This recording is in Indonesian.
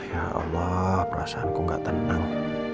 ya allah perasaanku gak tenang